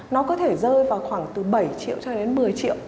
nó có thể rơi vào khoảng từ bảy triệu cho đến một mươi triệu